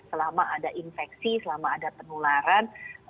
selama ada infeksi selama ada penularan